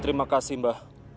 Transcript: pergi ke sana